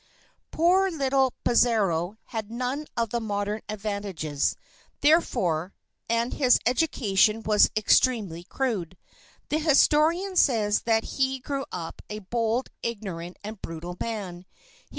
Poor little Pizarro had none of the modern advantages, therefore, and his education was extremely crude. The historian says that he grew up a bold, ignorant, and brutal man.